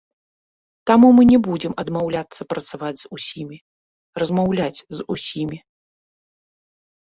Таму мы не будзем адмаўляцца працаваць з усімі, размаўляць з усімі.